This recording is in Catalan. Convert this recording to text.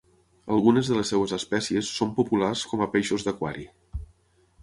Algunes de les seues espècies són populars com a peixos d'aquari.